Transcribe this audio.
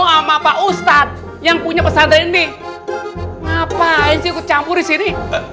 sama pak ustadz yang punya pesan dari sini ngapain sih kecampur sini